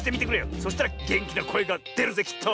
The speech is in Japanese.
そしたらげんきなこえがでるぜきっと！